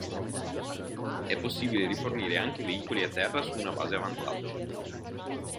È possibile rifornire anche veicoli a terra su una base avanzata.